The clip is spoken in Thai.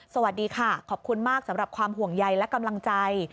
สวัสดีค่ะขอบคุณมากสำหรับความห่วงใยและกำลังใจ